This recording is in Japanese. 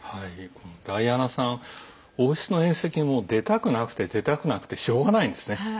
ダイアナさん、王室の宴席も出たくなくて出たくなくてしょうがないんですね。